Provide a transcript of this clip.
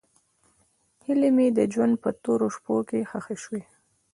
هیلې مې د ژوند په تورو شپو کې ښخې شوې.